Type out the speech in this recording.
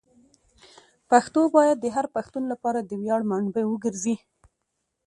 پښتو باید د هر پښتون لپاره د ویاړ منبع وګرځي.